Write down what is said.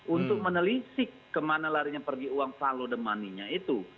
untuk menelisik kemana larinya pergi uang sallow the money nya itu